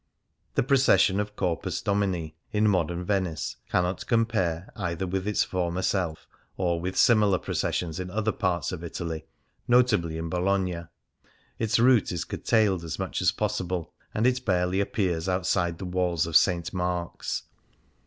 The procession of Corpus Domini in modern Venice cannot compare either with its former self, or with similar processions in other parts of Italy, notably in Bologna. Its route is curtailed as much as possible, and it barely appears outside the walls of St. Mark's.